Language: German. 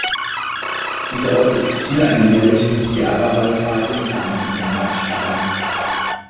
Dieser Ort ist Ziel einer jährlichen Ziyāra-Wallfahrt im islamischen Monat Schaʿbān.